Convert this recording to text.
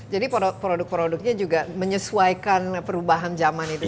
jadi produk produknya juga menyesuaikan perubahan zaman itu sendiri